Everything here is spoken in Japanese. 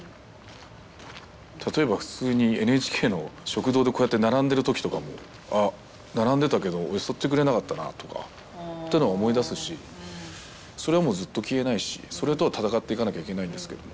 例えば普通にＮＨＫの食堂でこうやって並んでるときとかも「あ並んでたけどよそってくれなかったな」とかていうのを思い出すしそれはもうずっと消えないしそれとは闘っていかなきゃいけないんですけども。